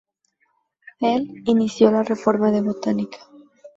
Él "inició la reforma de Botánica".